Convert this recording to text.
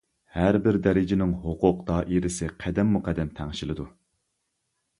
ھەربىر دەرىجىنىڭ ھوقۇق دائىرىسى قەدەممۇ-قەدەم تەڭشىلىدۇ.